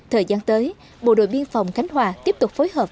thời gian tới bộ đội biên phòng khánh hòa tiếp tục phối hợp